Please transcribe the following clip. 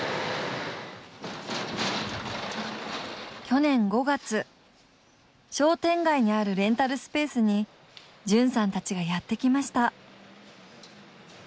去年５月商店街にあるレンタルスペースに絢さんたちがやってきました。